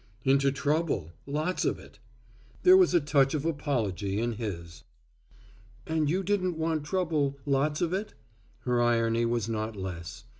"Into trouble, lots of it." There was a touch of apology in his. "And you didn't want trouble, lots of it?" Her irony was not less.